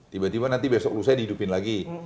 tiba tiba nanti besok lusa dihidupin lagi